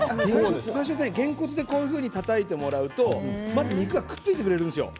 げんこつでたたいてもらうとまず、肉がくっついてくれるんですよ。